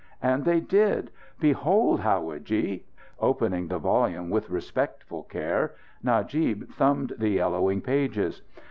And they did. Behold, howadji!" Opening the volume with respectful care, Najib thumbed the yellowing pages.